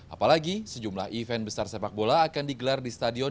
apalagi sejumlah event besar sepak bola akan digelar di stadion